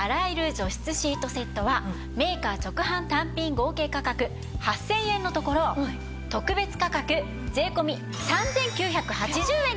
除湿シートセットはメーカー直販単品合計価格８０００円のところ特別価格税込３９８０円です！